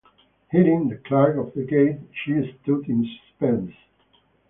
Hearing the clack of the gate she stood in suspense.